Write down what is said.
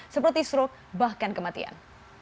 seperti stroke bahkan kematian